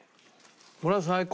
これは最高！